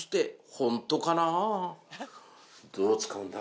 どう使うんだ？